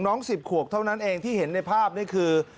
๑๐ขวบเท่านั้นเองที่เห็นในภาพนี่คือ